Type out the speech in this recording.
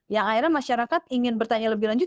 yang akhirnya masyarakat ingin bertanya lebih lanjut